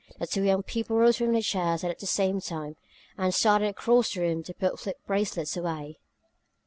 The two young people rose from the chairs at the same time and started across the room to put flip bracelets away.